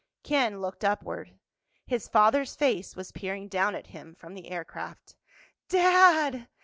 Ken looked upward. His father's face was peering down at him from the aircraft. "Dad!"